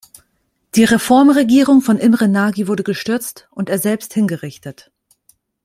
Die Reformregierung von Imre Nagy wurde gestürzt und er selbst hingerichtet.